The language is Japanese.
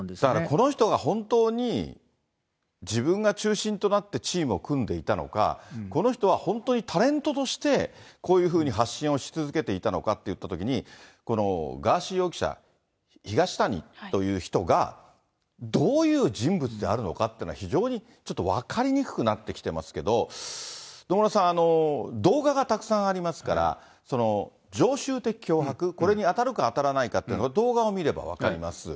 この人が本当に自分が中心となってチームを組んでいたのか、この人は本当にタレントとして、こういうふうに発信をし続けていたのかといったときに、ガーシー容疑者、東谷という人が、どういう人物であるのかというのは、非常にちょっと分かりにくくなってきてますけれども、野村さん、動画がたくさんありますから、常習的脅迫、これに当たるか当たらないかっていうのは、動画を見れば分かります。